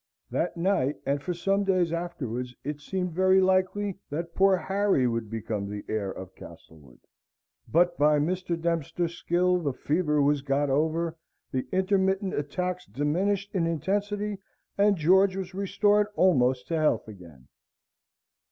That night and for some days afterwards it seemed very likely that poor Harry would become heir of Castlewood; but by Mr. Dempster's skill the fever was got over, the intermittent attacks diminished in intensity, and George was restored almost to health again.